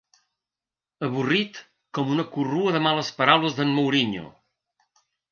Avorrit com una corrua de males paraules del Mourinho.